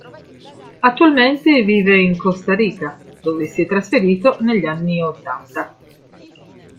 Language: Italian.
Attualmente vive in Costa Rica dove si è trasferito negli anni ottanta.